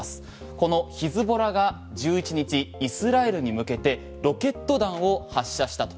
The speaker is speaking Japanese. このヒズボラが１１日イスラエルに向けてロケット弾を発射したと。